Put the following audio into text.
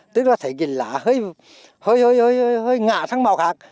tức là thấy cái lá hơi hơi hơi hơi hơi ngã sang màu khác